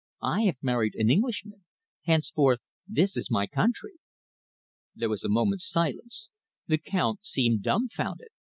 I have married an Englishman. Henceforth this is my country." There was a moment's silence. The Count seemed dumbfounded.